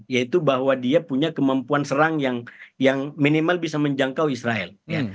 yaitu bahwa dia punya kemampuan serang yang minimal bisa menjangkau israel